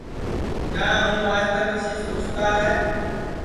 نہ ہوں آج تک کیسی سے روساتا ہے